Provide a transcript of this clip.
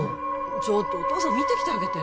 ちょっとお父さん見てきてあげて・